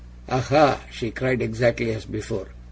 'Aha?' she cried exactly as before.